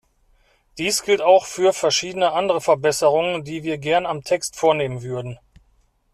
Dies gilt auch für verschiedene andere Verbesserungen, die wir gern am Text vornehmen würden.